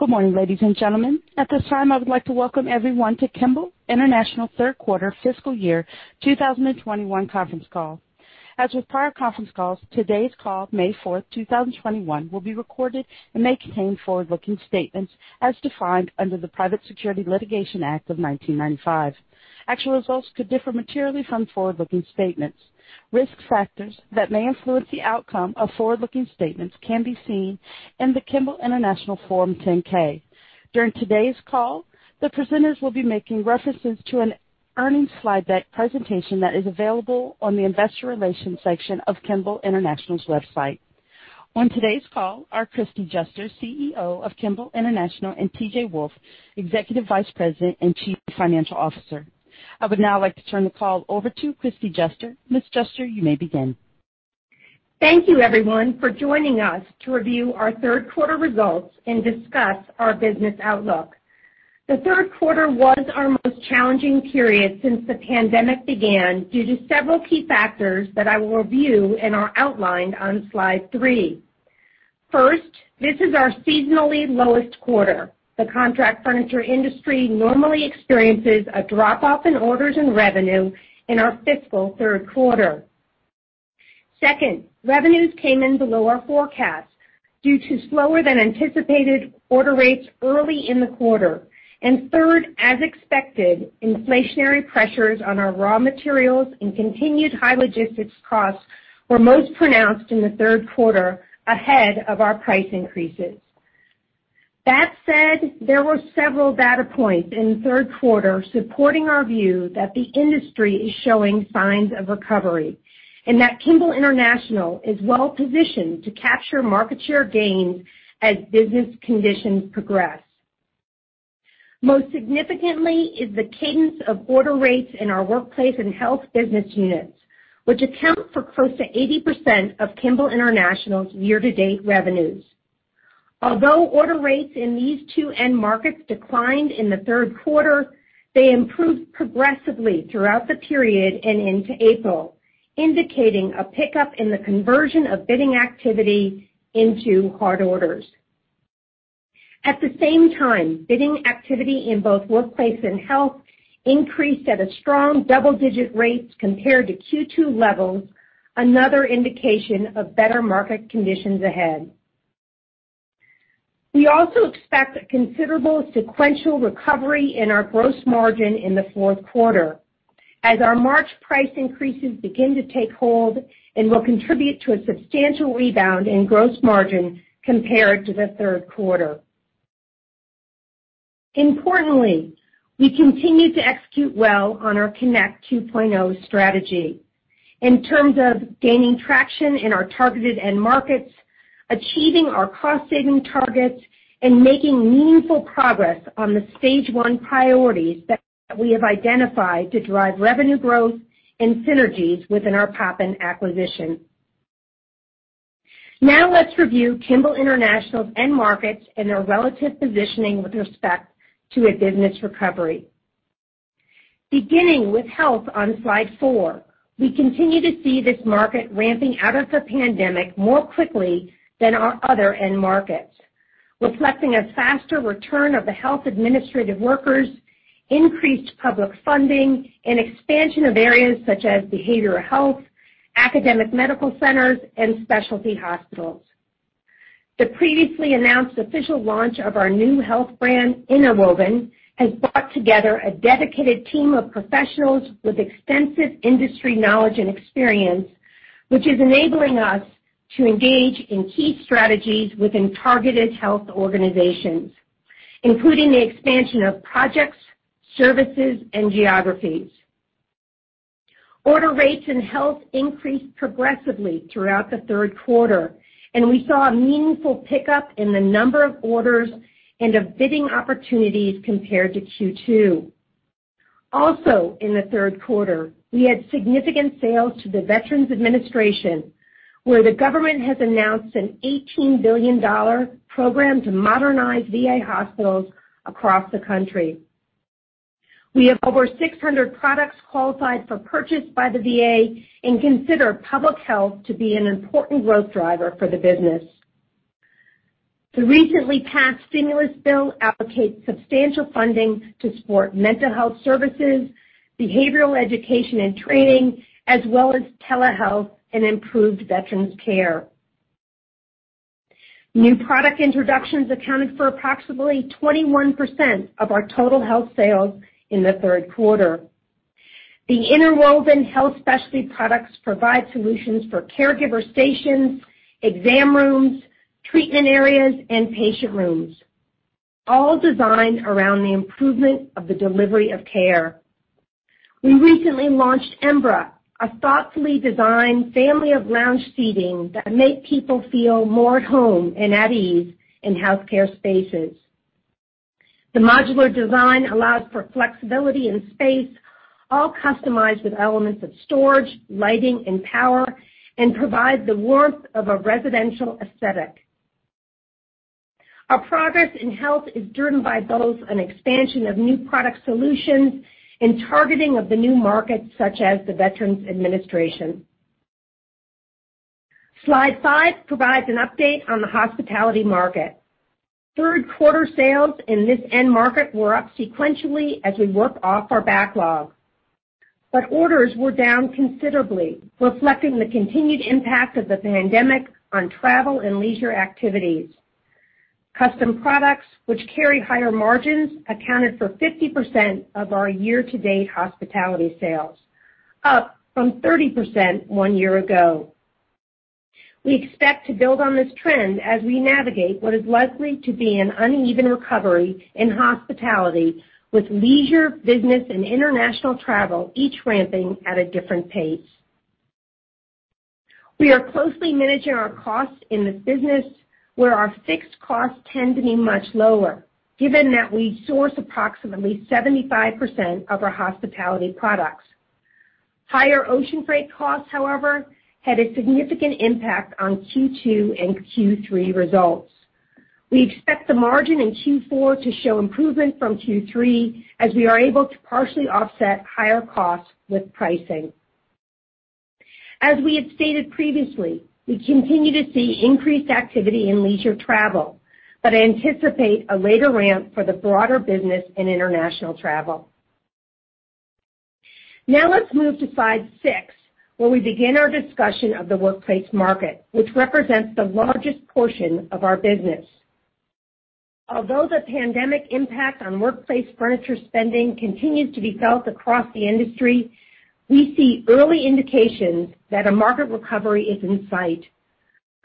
Good morning, ladies and gentlemen. At this time, I would like to welcome everyone to Kimball International third quarter fiscal year 2021 conference call. As with prior conference calls, today's call, May 4th, 2021, will be recorded and may contain forward-looking statements as defined under the Private Securities Litigation Reform Act of 1995. Actual results could differ materially from forward-looking statements. Risk factors that may influence the outcome of forward-looking statements can be seen in the Kimball International Form 10-K. During today's call, the presenters will be making references to an earnings slide deck presentation that is available on the investor relations section of Kimball International's website. On today's call are Kristie Juster, CEO of Kimball International, and T.J. Wolfe, Executive Vice President and Chief Financial Officer. I would now like to turn the call over to Kristie Juster. Ms. Juster, you may begin. Thank you, everyone, for joining us to review our third quarter results and discuss our business outlook. The third quarter was our most challenging period since the pandemic began due to several key factors that I will review and are outlined on Slide three. First, this is our seasonally lowest quarter. Second, revenues came in below our forecast due to slower than anticipated order rates early in the quarter. Third, as expected, inflationary pressures on our raw materials and continued high logistics costs were most pronounced in the third quarter ahead of our price increases. That said, there were several data points in the third quarter supporting our view that the industry is showing signs of recovery and that Kimball International is well-positioned to capture market share gains as business conditions progress. Most significantly is the cadence of order rates in our workplace and health business units, which account for close to 80% of Kimball International's year-to-date revenues. Although order rates in these two end markets declined in the third quarter, they improved progressively throughout the period and into April, indicating a pickup in the conversion of bidding activity into hard orders. At the same time, bidding activity in both workplace and health increased at a strong double-digit rates compared to Q2 levels, another indication of better market conditions ahead. We also expect a considerable sequential recovery in our gross margin in the fourth quarter as our March price increases begin to take hold and will contribute to a substantial rebound in gross margin compared to the third quarter. Importantly, we continue to execute well on our Connect 2.0 strategy in terms of gaining traction in our targeted end markets, achieving our cost-saving targets, and making meaningful progress on the stage 1 priorities that we have identified to drive revenue growth and synergies within our Poppin acquisition. Let's review Kimball International's end markets and their relative positioning with respect to a business recovery. Beginning with health on Slide four, we continue to see this market ramping out of the pandemic more quickly than our other end markets, reflecting a faster return of the health administrative workers, increased public funding, and expansion of areas such as behavioral health, academic medical centers, and specialty hospitals. The previously announced official launch of our new health brand, Interwoven, has brought together a dedicated team of professionals with extensive industry knowledge and experience, which is enabling us to engage in key strategies within targeted health organizations, including the expansion of projects, services, and geographies. Order rates in health increased progressively throughout the third quarter, and we saw a meaningful pickup in the number of orders and of bidding opportunities compared to Q2. Also in the third quarter, we had significant sales to the Veterans Administration, where the government has announced an $18 billion program to modernize VA hospitals across the country. We have over 600 products qualified for purchase by the VA and consider public health to be an important growth driver for the business. The recently passed stimulus bill allocates substantial funding to support mental health services, behavioral education and training, as well as telehealth and improved veterans care. New product introductions accounted for approximately 21% of our total health sales in the third quarter. The Interwoven health specialty products provide solutions for caregiver stations, exam rooms, treatment areas, and patient rooms, all designed around the improvement of the delivery of care. We recently launched Embra, a thoughtfully designed family of lounge seating that make people feel more at home and at ease in healthcare spaces. The modular design allows for flexibility in space, all customized with elements of storage, lighting, and power, and provides the warmth of a residential aesthetic. Our progress in health is driven by both an expansion of new product solutions and targeting of the new markets such as the Veterans Administration. Slide five provides an update on the hospitality market. Third quarter sales in this end market were up sequentially as we worked off our backlog. Orders were down considerably, reflecting the continued impact of the pandemic on travel and leisure activities. Custom products, which carry higher margins, accounted for 50% of our year-to-date hospitality sales, up from 30% one year ago. We expect to build on this trend as we navigate what is likely to be an uneven recovery in hospitality, with leisure, business, and international travel each ramping at a different pace. We are closely managing our costs in this business, where our fixed costs tend to be much lower, given that we source approximately 75% of our hospitality products. Higher ocean freight costs, however, had a significant impact on Q2 and Q3 results. We expect the margin in Q4 to show improvement from Q3 as we are able to partially offset higher costs with pricing. As we had stated previously, we continue to see increased activity in leisure travel, but anticipate a later ramp for the broader business and international travel. Let's move to slide six, where we begin our discussion of the workplace market, which represents the largest portion of our business. Although the pandemic impact on workplace furniture spending continues to be felt across the industry, we see early indications that a market recovery is in sight.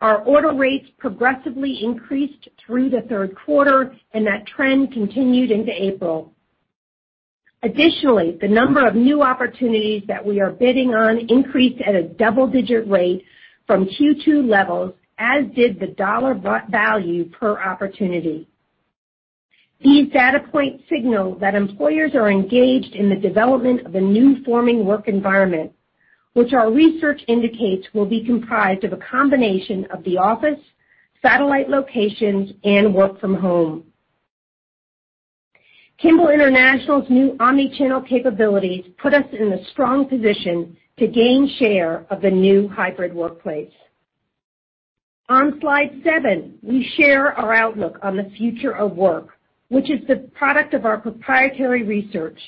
Our order rates progressively increased through the third quarter, and that trend continued into April. Additionally, the number of new opportunities that we are bidding on increased at a double-digit rate from Q2 levels, as did the dollar value per opportunity. These data points signal that employers are engaged in the development of a new forming work environment, which our research indicates will be comprised of a combination of the office, satellite locations, and work from home. Kimball International's new omni-channel capabilities put us in a strong position to gain share of the new hybrid workplace. On slide seven, we share our outlook on the future of work, which is the product of our proprietary research.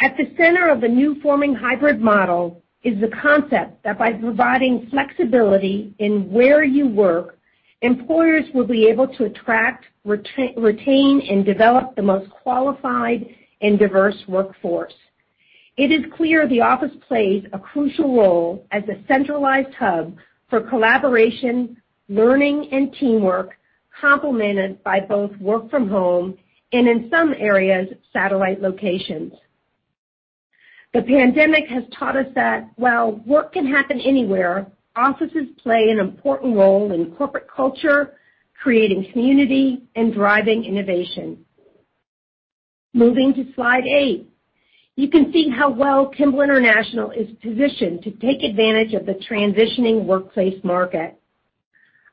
At the center of the new forming hybrid model is the concept that by providing flexibility in where you work, employers will be able to attract, retain, and develop the most qualified and diverse workforce. It is clear the office plays a crucial role as a centralized hub for collaboration, learning, and teamwork, complemented by both work from home and, in some areas, satellite locations. The pandemic has taught us that while work can happen anywhere, offices play an important role in corporate culture, creating community, and driving innovation. Moving to slide eight. You can see how well Kimball International is positioned to take advantage of the transitioning workplace market.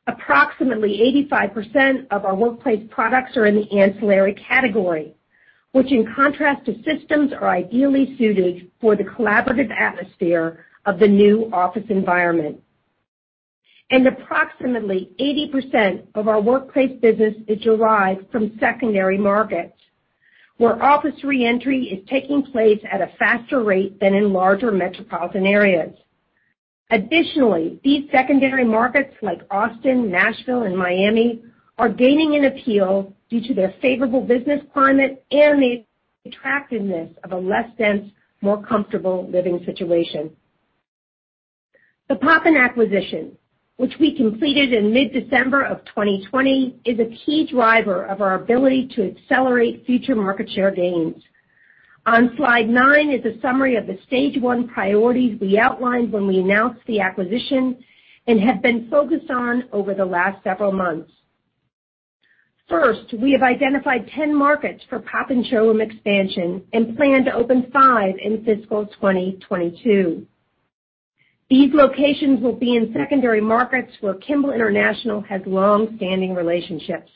Approximately 85% of our workplace products are in the ancillary category, which, in contrast to systems, are ideally suited for the collaborative atmosphere of the new office environment. Approximately 80% of our workplace business is derived from secondary markets, where office re-entry is taking place at a faster rate than in larger metropolitan areas. Additionally, these secondary markets like Austin, Nashville, and Miami are gaining in appeal due to their favorable business climate and the attractiveness of a less dense, more comfortable living situation. The Poppin acquisition, which we completed in mid-December of 2020, is a key driver of our ability to accelerate future market share gains. On slide nine is a summary of the stage one priorities we outlined when we announced the acquisition and have been focused on over the last several months. First, we have identified 10 markets for Poppin showroom expansion and plan to open five in fiscal 2022. These locations will be in secondary markets where Kimball International has long-standing relationships.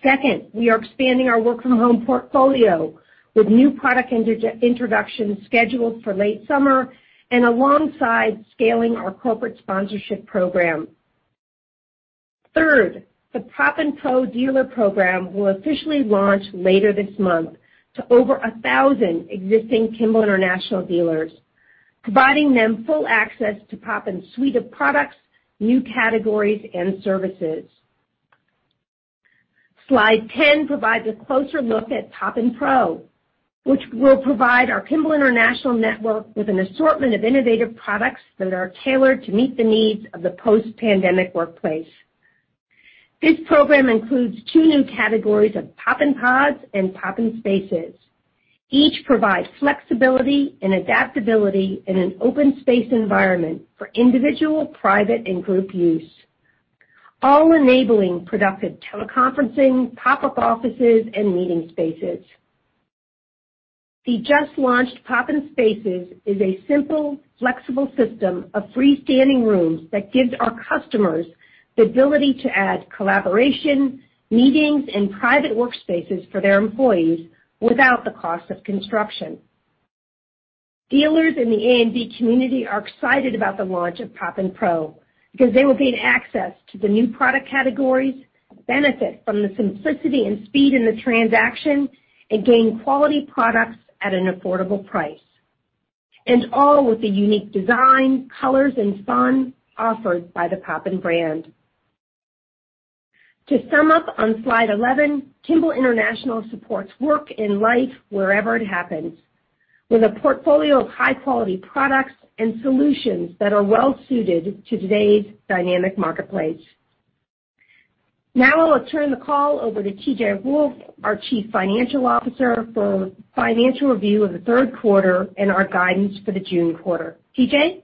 Second, we are expanding our work from home portfolio with new product introductions scheduled for late summer and alongside scaling our corporate sponsorship program. Third, the Poppin Pro dealer program will officially launch later this month to over 1,000 existing Kimball International dealers, providing them full access to Poppin's suite of products, new categories, and services. Slide 10 provides a closer look at Poppin Pro, which will provide our Kimball International network with an assortment of innovative products that are tailored to meet the needs of the post-pandemic workplace. This program includes two new categories of Poppin Pods and PoppinSpaces. Each provides flexibility and adaptability in an open space environment for individual, private, and group use, all enabling productive teleconferencing, pop-up offices, and meeting spaces. The just-launched PoppinSpaces is a simple, flexible system of freestanding rooms that gives our customers the ability to add collaboration, meetings, and private workspaces for their employees without the cost of construction. Dealers in the A&D community are excited about the launch of PoppinPro because they will gain access to the new product categories, benefit from the simplicity and speed in the transaction, and gain quality products at an affordable price, and all with the unique design, colors, and fun offered by the Poppin brand. To sum up on slide 11, Kimball International supports work and life wherever it happens, with a portfolio of high-quality products and solutions that are well-suited to today's dynamic marketplace. Now I will turn the call over to T.J. Wolfe, our Chief Financial Officer, for financial review of the third quarter and our guidance for the June quarter. T.J.?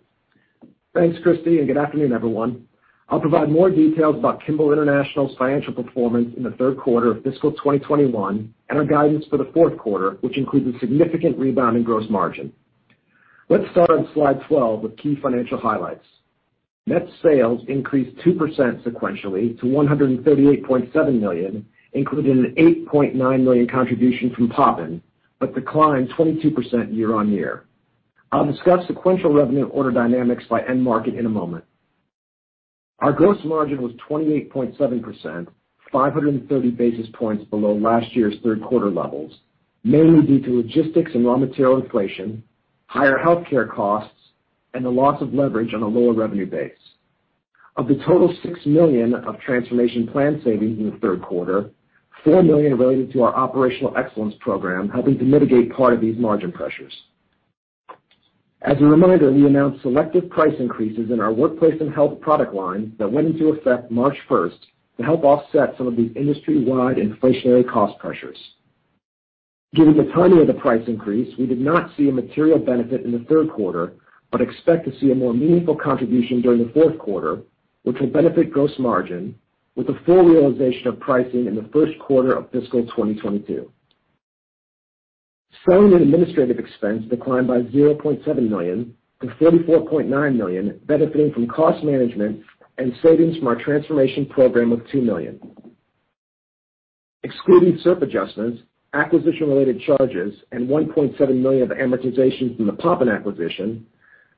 Thanks, Kristie, and good afternoon, everyone. I'll provide more details about Kimball International's financial performance in the third quarter of fiscal 2021 and our guidance for the fourth quarter, which includes a significant rebound in gross margin. Let's start on slide 12 with key financial highlights. Net sales increased 2% sequentially to $138.7 million, including an $8.9 million contribution from Poppin, but declined 22% year-on-year. I'll discuss sequential revenue order dynamics by end market in a moment. Our gross margin was 28.7%, 530 basis points below last year's third quarter levels, mainly due to logistics and raw material inflation, higher healthcare costs, and the loss of leverage on a lower revenue base. Of the total $6 million of transformation plan savings in the third quarter, $4 million related to our operational excellence program helping to mitigate part of these margin pressures. As a reminder, we announced selective price increases in our workplace and health product lines that went into effect March 1st to help offset some of the industry-wide inflationary cost pressures. Given the timing of the price increase, we did not see a material benefit in the third quarter, but expect to see a more meaningful contribution during the fourth quarter, which will benefit gross margin with the full realization of pricing in the first quarter of fiscal 2022. Selling and administrative expense declined by $0.7 million-$44.9 million, benefiting from cost management and savings from our transformation program of $2 million. Excluding SERP adjustments, acquisition-related charges, and $1.7 million of amortization from the Poppin acquisition,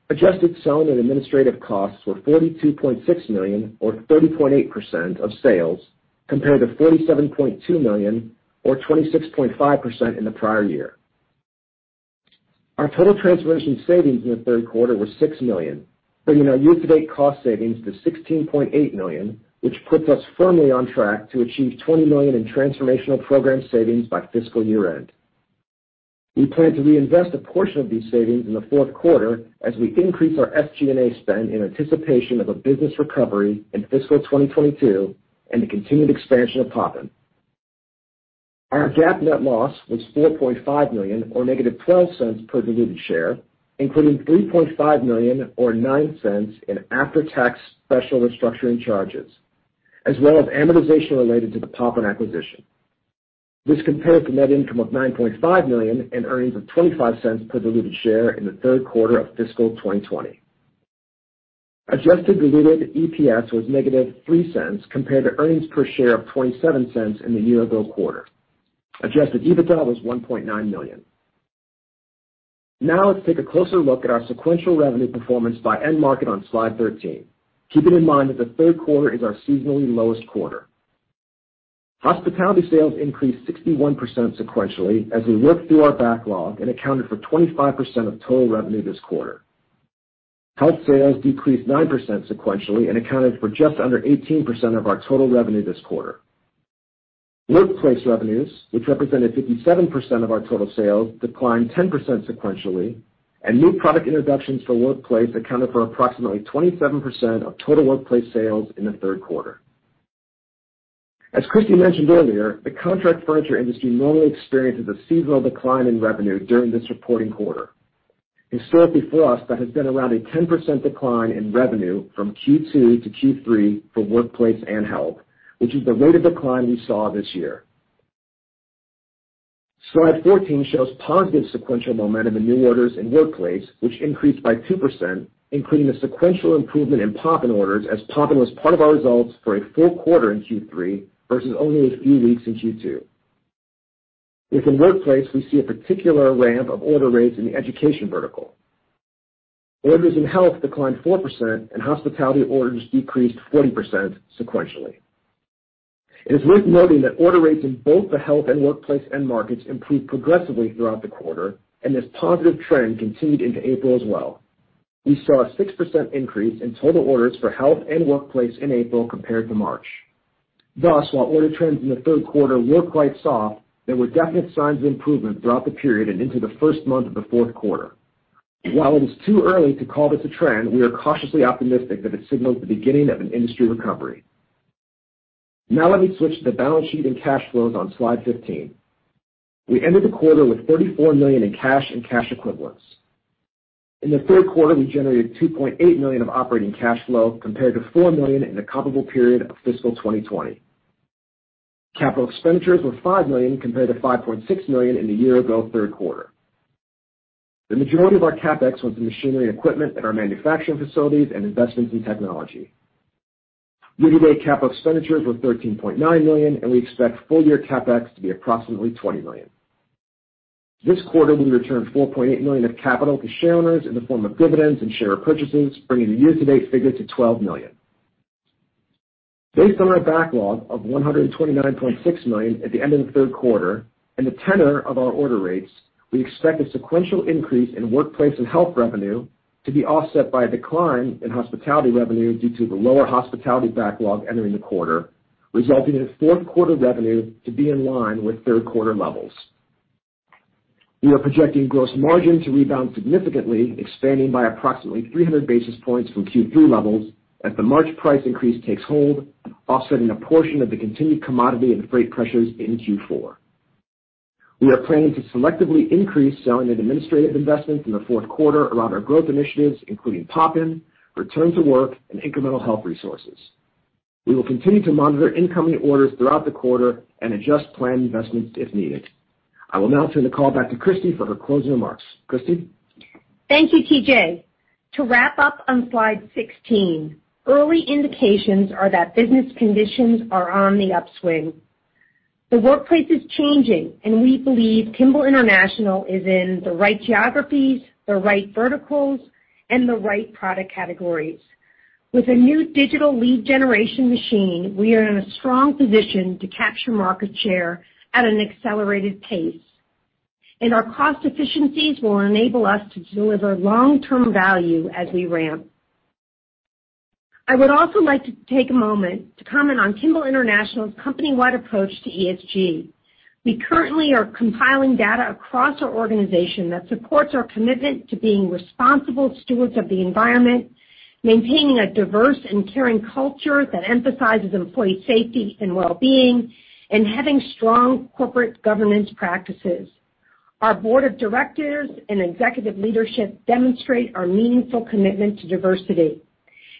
adjusted selling and administrative costs were $42.6 million or 30.8% of sales compared to $47.2 million or 26.5% in the prior year. Our total transformation savings in the third quarter were $6 million, bringing our year-to-date cost savings to $16.8 million, which puts us firmly on track to achieve $20 million in transformational program savings by fiscal year-end. We plan to reinvest a portion of these savings in the fourth quarter as we increase our SG&A spend in anticipation of a business recovery in fiscal 2022 and the continued expansion of Poppin. Our GAAP net loss was $4.5 million, or -$0.12 per diluted share, including $3.5 million or $0.09 in after-tax special restructuring charges, as well as amortization related to the Poppin acquisition. This compares to net income of $9.5 million and earnings of $0.25 per diluted share in the third quarter of fiscal 2020. Adjusted diluted EPS was -$0.03 compared to earnings per share of $0.27 in the year-ago quarter. Adjusted EBITDA was $1.9 million. Let's take a closer look at our sequential revenue performance by end market on slide 13, keeping in mind that the third quarter is our seasonally lowest quarter. Hospitality sales increased 61% sequentially as we worked through our backlog and accounted for 25% of total revenue this quarter. Health sales decreased 9% sequentially and accounted for just under 18% of our total revenue this quarter. Workplace revenues, which represented 57% of our total sales, declined 10% sequentially, and new product introductions for workplace accounted for approximately 27% of total workplace sales in the third quarter. As Kristie mentioned earlier, the contract furniture industry normally experiences a seasonal decline in revenue during this reporting quarter. Historically for us, that has been around a 10% decline in revenue from Q2 to Q3 for workplace and health, which is the rate of decline we saw this year. Slide 14 shows positive sequential momentum in new orders in workplace, which increased by 2%, including a sequential improvement in Poppin orders as Poppin was part of our results for a full quarter in Q3 versus only a few weeks in Q2. Within workplace, we see a particular ramp of order rates in the education vertical. Orders in health declined 4%, and hospitality orders decreased 40% sequentially. It is worth noting that order rates in both the health and workplace end markets improved progressively throughout the quarter, and this positive trend continued into April as well. We saw a 6% increase in total orders for health and workplace in April compared to March. While order trends in the third quarter were quite soft, there were definite signs of improvement throughout the period and into the first month of the fourth quarter. While it is too early to call this a trend, we are cautiously optimistic that it signals the beginning of an industry recovery. Now let me switch to the balance sheet and cash flows on slide 15. We ended the quarter with $34 million in cash and cash equivalents. In the third quarter, we generated $2.8 million of operating cash flow compared to $4 million in the comparable period of fiscal 2020. Capital expenditures were $5 million compared to $5.6 million in the year-ago third quarter. The majority of our CapEx was in machinery and equipment at our manufacturing facilities and investments in technology. Year-to-date cap expenditures were $13.9 million, and we expect full year CapEx to be approximately $20 million. This quarter, we returned $4.8 million of capital to shareowners in the form of dividends and share purchases, bringing the year-to-date figure to $12 million. Based on our backlog of $129.6 million at the end of the third quarter and the tenor of our order rates, we expect a sequential increase in workplace and health revenue to be offset by a decline in hospitality revenue due to the lower hospitality backlog entering the quarter, resulting in fourth quarter revenue to be in line with third quarter levels. We are projecting gross margin to rebound significantly, expanding by approximately 300 basis points from Q3 levels as the March price increase takes hold, offsetting a portion of the continued commodity and freight pressures in Q4. We are planning to selectively increase selling and administrative investments in the fourth quarter around our growth initiatives, including Poppin, return to work, and incremental health resources. We will continue to monitor incoming orders throughout the quarter and adjust planned investments if needed. I will now turn the call back to Kristie for her closing remarks. Kristie? Thank you, T.J. To wrap up on slide 16, early indications are that business conditions are on the upswing. The workplace is changing, and we believe Kimball International is in the right geographies, the right verticals, and the right product categories. With a new digital lead generation machine, we are in a strong position to capture market share at an accelerated pace, and our cost efficiencies will enable us to deliver long-term value as we ramp. I would also like to take a moment to comment on Kimball International's company-wide approach to ESG. We currently are compiling data across our organization that supports our commitment to being responsible stewards of the environment, maintaining a diverse and caring culture that emphasizes employee safety and wellbeing, and having strong corporate governance practices. Our board of directors and executive leadership demonstrate our meaningful commitment to diversity,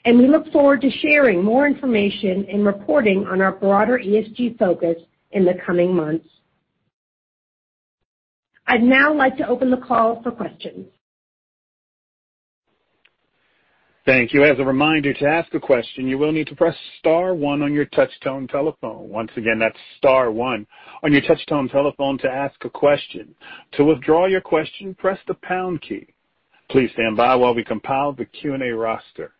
and we look forward to sharing more information and reporting on our broader ESG focus in the coming months. I'd now like to open the call for questions. Thank you. As a reminder, to ask a question, you will need to press star one on your touchtone telephone. Once again, that's star one on your touchtone telephone to ask a question. To withdraw your question, press the pound key. Please stand by while we compile the Q&A roster.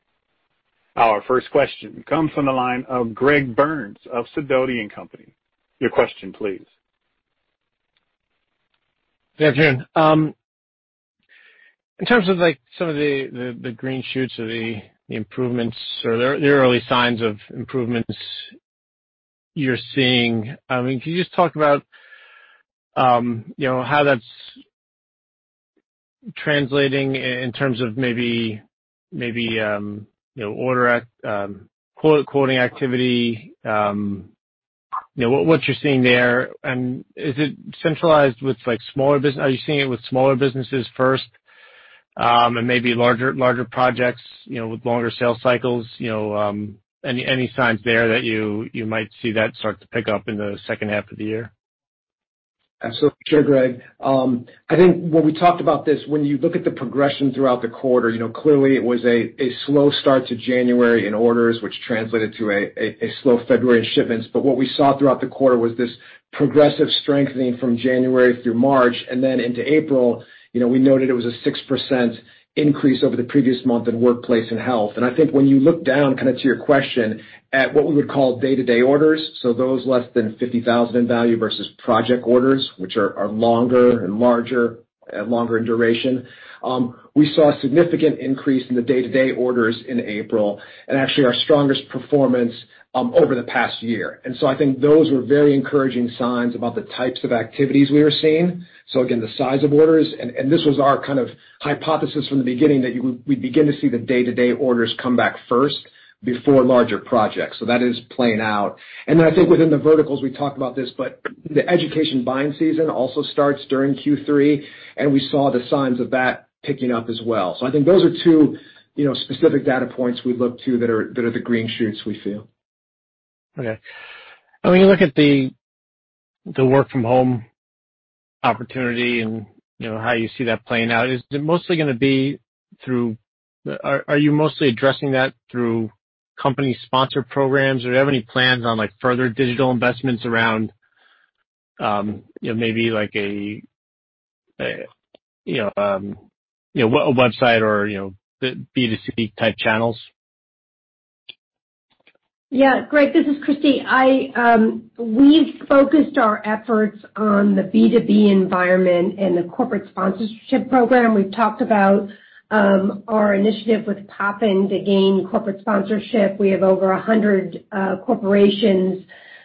Our first question comes from the line of Greg Burns of Sidoti & Company. Your question please. Yeah, June. In terms of some of the green shoots of the improvements or the early signs of improvements you're seeing, can you just talk about how that's translating in terms of maybe quoting activity, what you're seeing there, and are you seeing it with smaller businesses first and maybe larger projects with longer sales cycles? Any signs there that you might see that start to pick up in the second half of the year? Absolutely. Sure, Greg. I think when we talked about this, when you look at the progression throughout the quarter, clearly it was a slow start to January in orders, which translated to a slow February in shipments. What we saw throughout the quarter was this progressive strengthening from January through March, and then into April, we noted it was a 6% increase over the previous month in workplace and health. I think when you look down, to your question, at what we would call day-to-day orders, so those less than $50,000 in value versus project orders, which are longer and larger, longer in duration. We saw a significant increase in the day-to-day orders in April, and actually our strongest performance over the past year. I think those were very encouraging signs about the types of activities we are seeing. Again, the size of orders, and this was our kind of hypothesis from the beginning, that we'd begin to see the day-to-day orders come back first before larger projects. That is playing out. Then I think within the verticals, we talked about this, but the education buying season also starts during Q3, and we saw the signs of that picking up as well. I think those are two specific data points we look to that are the green shoots we see. Okay. When you look at the work-from-home opportunity and how you see that playing out, are you mostly addressing that through company-sponsored programs, or do you have any plans on further digital investments around maybe a website or B2C type channels? Yeah. Greg, this is Kristie. We've focused our efforts on the B2B environment and the corporate sponsorship program. We've talked about our initiative with Poppin to gain corporate sponsorship. We have over 100 corporations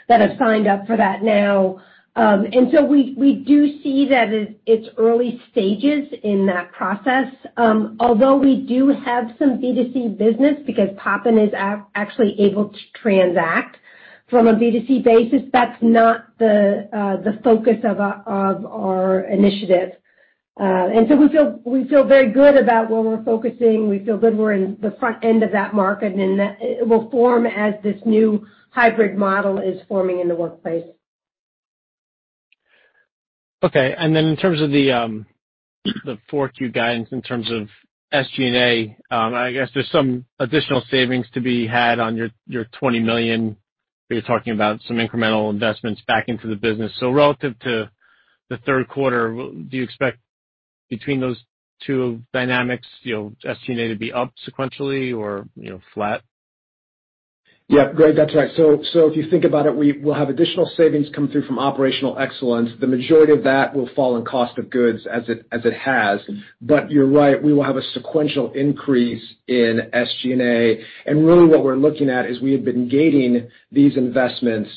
that have signed up for that now. We do see that it's early stages in that process. Although we do have some B2C business because Poppin is actually able to transact from a B2C basis, that's not the focus of our initiative. We feel very good about where we're focusing. We feel good we're in the front end of that market, and it will form as this new hybrid model is forming in the workplace. Okay. Then in terms of the fourth Q guidance, in terms of SG&A, I guess there's some additional savings to be had on your $20 million, but you're talking about some incremental investments back into the business. So relative to the third quarter, do you expect between those two dynamics, SG&A to be up sequentially or flat? Yeah, Greg, that's right. If you think about it, we will have additional savings come through from operational excellence. The majority of that will fall in cost of goods as it has. You're right, we will have a sequential increase in SG&A. Really what we're looking at is we have been gating these investments,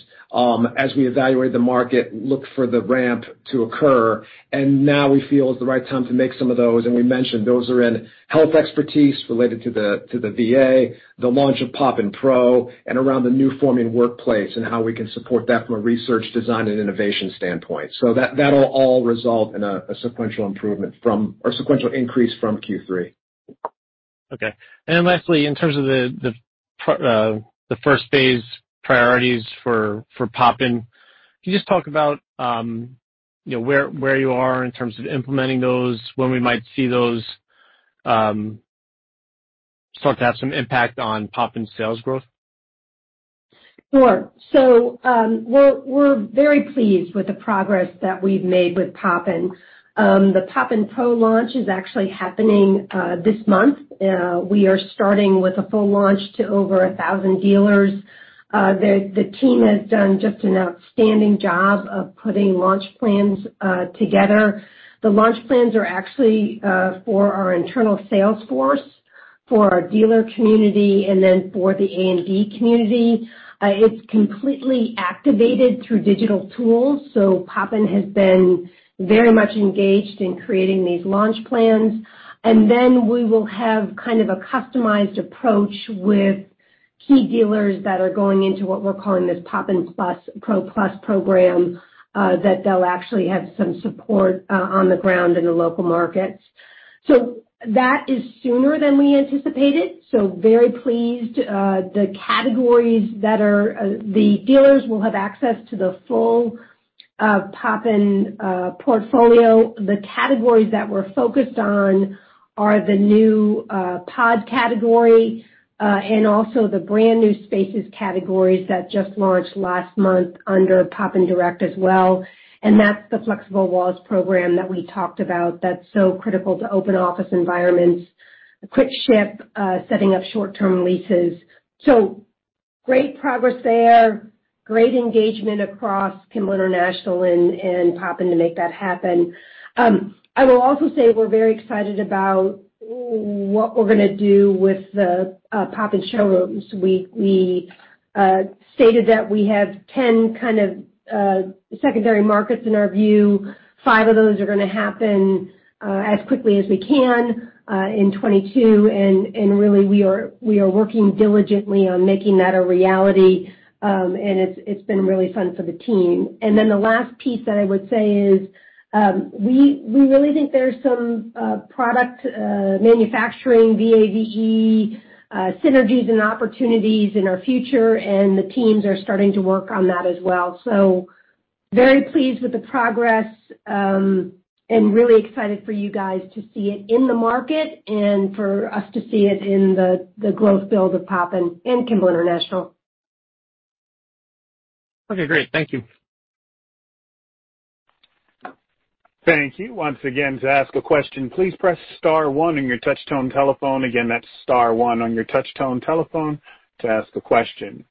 as we evaluate the market, look for the ramp to occur, and now we feel is the right time to make some of those. We mentioned those are in health expertise related to the VA, the launch of Poppin Pro, and around the new forming workplace and how we can support that from a research, design, and innovation standpoint. That'll all result in a sequential increase from Q3. Okay. Lastly, in terms of the first phase priorities for Poppin, can you just talk about where you are in terms of implementing those, when we might see those start to have some impact on Poppin's sales growth? Sure. We're very pleased with the progress that we've made with Poppin. The Poppin Pro launch is actually happening this month. We are starting with a full launch to over 1,000 dealers. The team has done just an outstanding job of putting launch plans together. The launch plans are actually for our internal sales force, for our dealer community, for the A&D community. It's completely activated through digital tools, Poppin has been very much engaged in creating these launch plans. We will have kind of a customized approach with key dealers that are going into what we're calling this Poppin Pro Plus program, that they'll actually have some support on the ground in the local markets. That is sooner than we anticipated, so very pleased. The dealers will have access to the full Poppin portfolio. The categories that we're focused on are the new pod category, and also the brand new PoppinSpaces that just launched last month under Poppin Direct as well. That's the flexible walls program that we talked about that's so critical to open office environments. A quick ship, setting up short-term leases. Great progress there, great engagement across Kimball International and Poppin to make that happen. I will also say we're very excited about what we're going to do with the Poppin showrooms. We stated that we have 10 kind of secondary markets in our view. Five of those are going to happen as quickly as we can in 2022. Really, we are working diligently on making that a reality. It's been really fun for the team. The last piece that I would say is, we really think there's some product manufacturing, VAVE synergies and opportunities in our future, and the teams are starting to work on that as well. Very pleased with the progress, and really excited for you guys to see it in the market and for us to see it in the growth build of Poppin and Kimball International. Okay, great. Thank you. Thank you. Once again, to ask a question, please press star one on your touch tone telephone. Again, that's star one on your touch tone telephone to ask a question.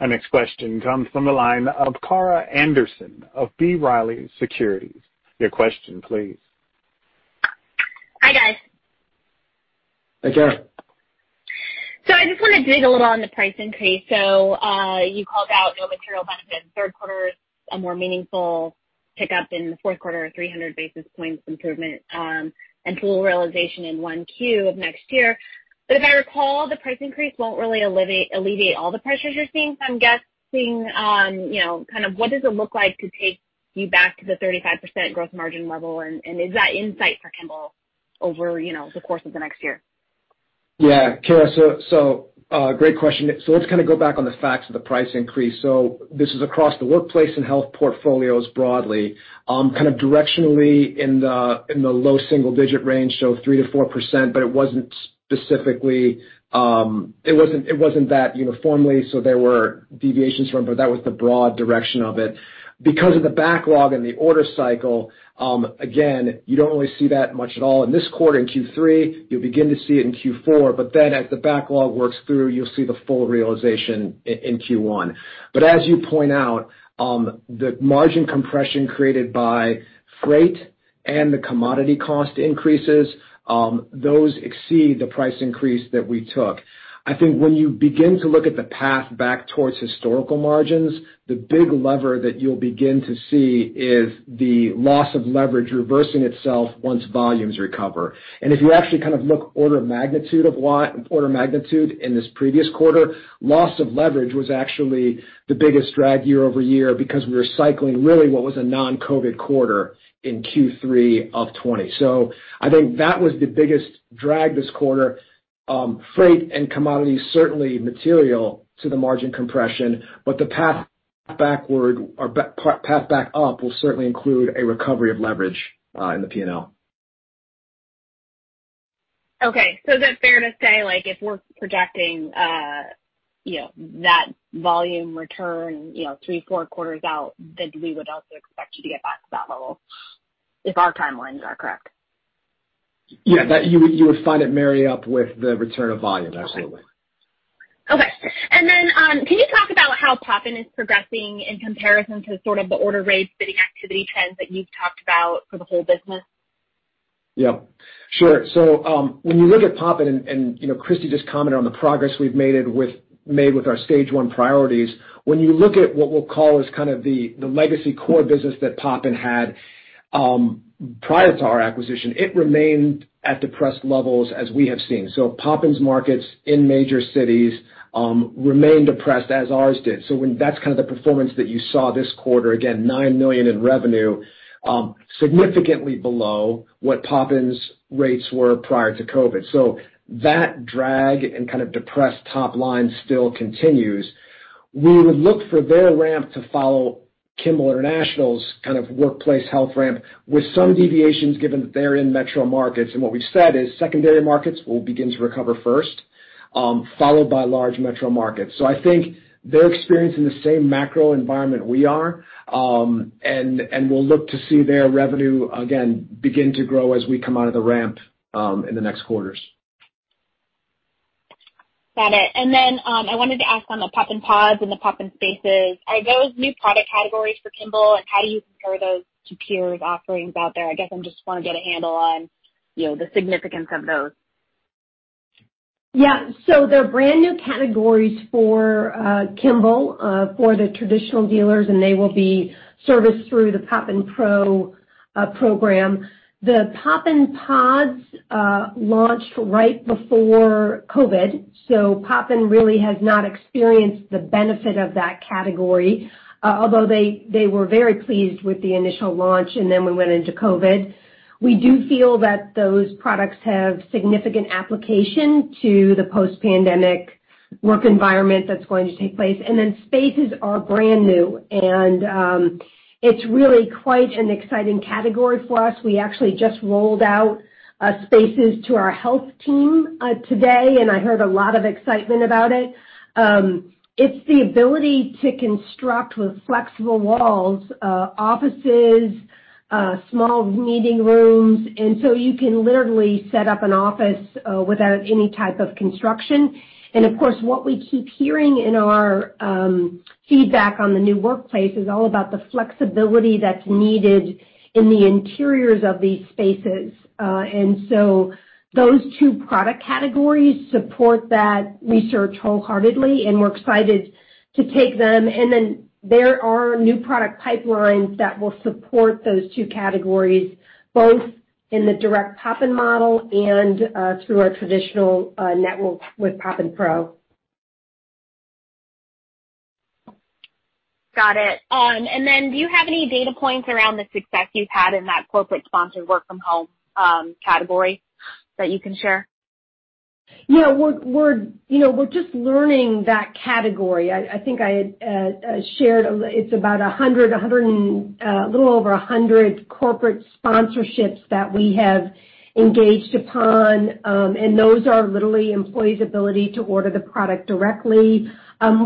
Our next question comes from the line of Kara Anderson of B. Riley Securities. Your question please. Hi, guys. Hi, Kara. I just want to dig a little on the price increase. You called out no material benefit in third quarter, a more meaningful pickup in the fourth quarter, 300 basis points improvement, and full realization in 1Q of next year. If I recall, the price increase won't really alleviate all the pressures you're seeing. I'm guessing on what does it look like to take you back to the 35% gross margin level, and is that in sight for Kimball over the course of the next year? Yeah, Kara. Great question. Let's kind of go back on the facts of the price increase. This is across the workplace and health portfolios broadly. Kind of directionally in the low single-digit range, so 3%-4%, but it wasn't that uniformly, so there were deviations from, but that was the broad direction of it. Because of the backlog and the order cycle, again, you don't really see that much at all in this quarter, in Q3. You'll begin to see it in Q4, but then as the backlog works through, you'll see the full realization in Q1. As you point out, the margin compression created by freight and the commodity cost increases, those exceed the price increase that we took. I think when you begin to look at the path back towards historical margins, the big lever that you'll begin to see is the loss of leverage reversing itself once volumes recover. If you actually kind of look order of magnitude in this previous quarter, loss of leverage was actually the biggest drag year-over-year because we were cycling really what was a non-COVID quarter in Q3 of 2020. I think that was the biggest drag this quarter. Freight and commodity certainly material to the margin compression, the path backward or path back up will certainly include a recovery of leverage, in the P&L. Is it fair to say, if we're projecting that volume return three, four quarters out, then we would also expect you to get back to that level if our timelines are correct? Yeah. You would find it marry up with the return of volume, absolutely. Okay. Can you talk about how Poppin is progressing in comparison to sort of the order rate bidding activity trends that you've talked about for the whole business? Yeah. Sure. When you look at Poppin and Kristie just commented on the progress we've made with our stage one priorities. When you look at what we'll call as kind of the legacy core business that Poppin had prior to our acquisition, it remained at depressed levels as we have seen. Poppin's markets in major cities remained depressed as ours did. That's kind of the performance that you saw this quarter, again, $9 million in revenue, significantly below what Poppin's rates were prior to COVID. We would look for their ramp to follow Kimball International's kind of workplace health ramp with some deviations given that they're in metro markets. What we've said is secondary markets will begin to recover first, followed by large metro markets. I think they're experiencing the same macro environment we are. We'll look to see their revenue again begin to grow as we come out of the ramp in the next quarters. Got it. I wanted to ask on the Poppin Pods and the PoppinSpaces. Are those new product categories for Kimball? How do you compare those to peers' offerings out there? I guess I just want to get a handle on the significance of those. They're brand new categories for Kimball, for the traditional dealers, and they will be serviced through the PoppinPro program. The Poppin Pods launched right before COVID, Poppin really has not experienced the benefit of that category. Although they were very pleased with the initial launch we went into COVID. We do feel that those products have significant application to the post-pandemic work environment that's going to take place. PoppinSpaces are brand new, and it's really quite an exciting category for us. We actually just rolled out PoppinSpaces to our health team today, I heard a lot of excitement about it. It's the ability to construct with flexible walls, offices, small meeting rooms. You can literally set up an office without any type of construction. Of course, what we keep hearing in our feedback on the new workplace is all about the flexibility that's needed in the interiors of these spaces. Those two product categories support that research wholeheartedly, and we're excited to take them. There are new product pipelines that will support those two categories, both in the direct Poppin model and through our traditional networks with PoppinPro. Got it. Do you have any data points around the success you've had in that corporate-sponsored work from home category that you can share? Yeah. We're just learning that category. I think I had shared it's about a little over 100 corporate sponsorships that we have engaged upon. Those are literally employees' ability to order the product directly.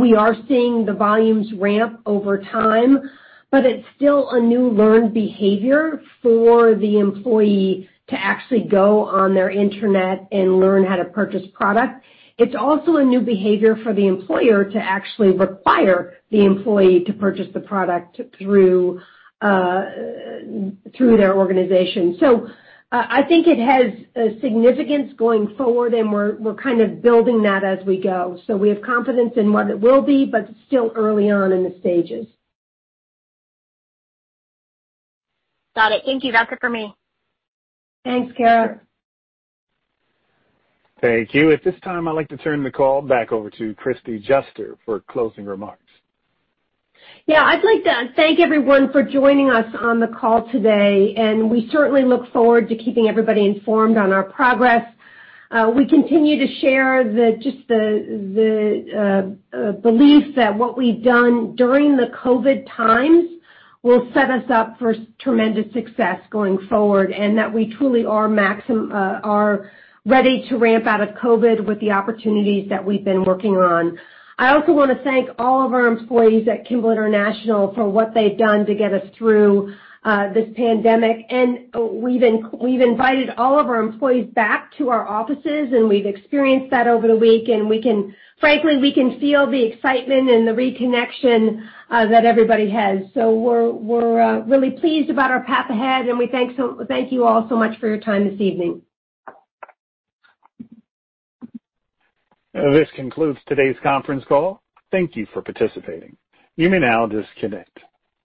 We are seeing the volumes ramp over time, but it's still a new learned behavior for the employee to actually go on their internet and learn how to purchase product. It's also a new behavior for the employer to actually require the employee to purchase the product through their organization. I think it has a significance going forward, and we're kind of building that as we go. We have confidence in what it will be, but it's still early on in the stages. Got it. Thank you. That's it for me. Thanks, Kara. Thank you. At this time, I'd like to turn the call back over to Kristie Juster for closing remarks. Yeah. I'd like to thank everyone for joining us on the call today, and we certainly look forward to keeping everybody informed on our progress. We continue to share just the belief that what we've done during the COVID times will set us up for tremendous success going forward, and that we truly are ready to ramp out of COVID with the opportunities that we've been working on. I also want to thank all of our employees at Kimball International for what they've done to get us through this pandemic. We've invited all of our employees back to our offices, and we've experienced that over the week, and frankly, we can feel the excitement and the reconnection that everybody has. We're really pleased about our path ahead, and we thank you all so much for your time this evening. This concludes today's conference call. Thank you for participating. You may now disconnect.